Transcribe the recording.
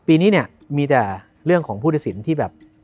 ปีนี้มีแต่เรื่องของผู้ทศิลป์ที่